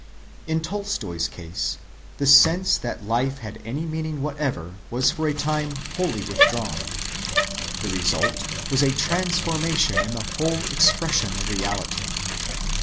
In Tolstoy's case the sense that life had any meaning whatever was for a time wholly withdrawn. The result was a transformation in the whole expression of reality.